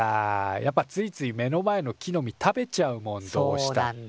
やっぱついつい目の前の木の実食べちゃうもんどうしたって。